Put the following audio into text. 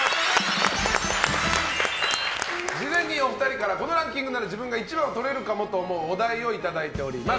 事前にお二人からこのランキングなら自分が１番をとれるかもと思うお題をいただいております。